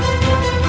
sama sama dengan kamu